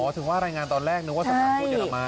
อ๋อถึงว่ารายงานตอนแรกนึกว่าสถานทูตเยอรมัน